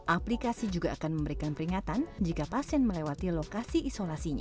aplikasi juga akan memberikan peringatan jika pasien melewati lokasi isolasi covid sembilan belas